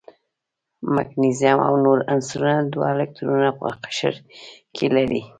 مګنیزیم او نور عنصرونه دوه الکترونه په قشر کې لري.